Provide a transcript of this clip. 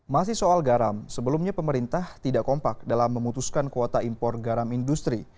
masih soal garam sebelumnya pemerintah tidak kompak dalam memutuskan kuota impor garam industri